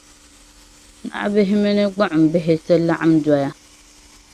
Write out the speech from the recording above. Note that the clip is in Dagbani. naɣibihi mini gbuɣimbihi ti laɣim doya.